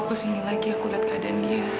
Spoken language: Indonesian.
besok kau kesini lagi aku lihat keadaan dia